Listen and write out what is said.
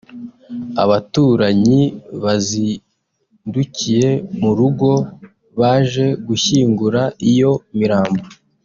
abaturanyi bazindukiye mu rugo baje gushyingura iyo mirambo